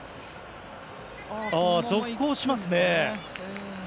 続行しますね。